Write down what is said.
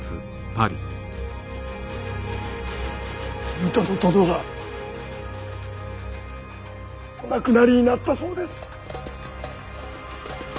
水戸の殿がお亡くなりになったそうです。